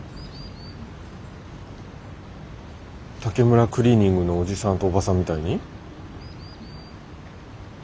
竹村クリーニングのおじさんとおばさんみたいに？